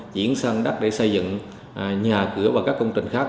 chuyển sang đất để xây dựng nhà cửa và các công trình khác